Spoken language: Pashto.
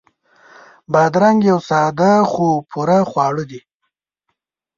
بادرنګ یو ساده خو پوره خواړه دي.